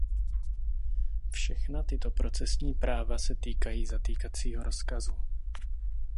Všechna tyto procesní práva se týkají zatýkacího rozkazu.